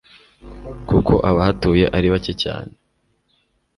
kuko abahatuye ari bake cyane